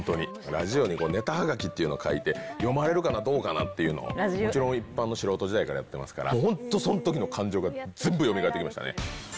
ラジオにネタはがきというのを書いて、読まれるかな、どうかなっていうのを一般の素人時代からやってますから、本当そのときの感情が全部よみがえってきましたね。